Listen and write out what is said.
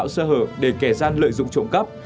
sơ hở để kẻ gian lợi dụng trộm cắp